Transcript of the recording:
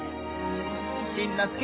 しんのすけ。